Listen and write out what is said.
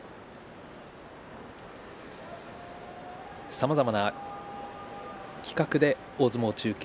さまざまな企画で大相撲中継